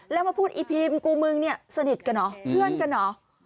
แล้วมาพูดอีพีมกูมึงเนี่ยสนิทกันเหรอเพื่อนกันเหรอ